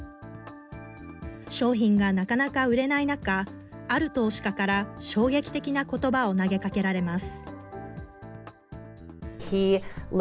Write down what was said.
商品がなかなか売れない中、ある投資家から衝撃的なことばを投げかけられます。